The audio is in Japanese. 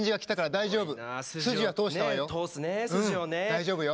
大丈夫よ。